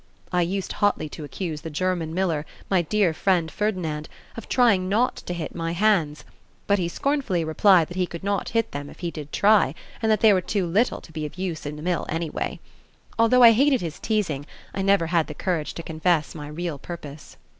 I used hotly to accuse the German miller, my dear friend Ferdinand, "of trying not to hit my hands," but he scornfully replied that he could not hit them if he did try, and that they were too little to be of use in a mill anyway. Although I hated his teasing, I never had the courage to confess my real purpose.